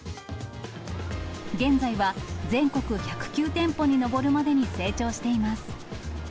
現在は全国１０９店舗に上るまでに成長しています。